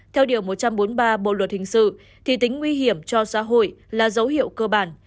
theo điều một trăm bốn mươi ba bộ luật hình sự thì tính nguy hiểm cho xã hội là dấu hiệu cơ bản